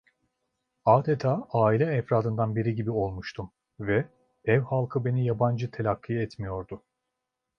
Adeta aile efradından biri gibi olmuştum ve ev halkı beni yabancı telakki etmiyordu.